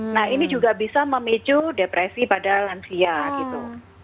nah ini juga bisa memicu depresi pada lansia gitu